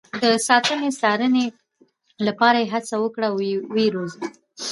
د ساتنې او څارنې لپاره یې هڅه وکړو او ویې روزو.